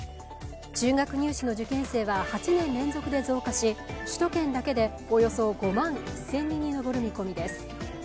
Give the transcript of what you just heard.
中学入試の受験生は８年連続で増加し首都圏だけでおよそ５万１０００人に上る見込みです。